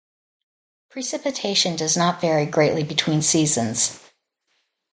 Precipitation does not vary greatly between seasons.